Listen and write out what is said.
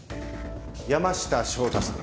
山下翔太さん